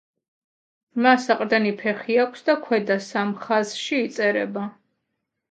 მას საყრდენი ფეხი აქვს და ქვედა სამ ხაზში იწერება.